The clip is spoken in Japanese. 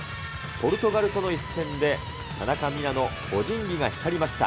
ポルトガルとの一戦で、田中美南の個人技が光りました。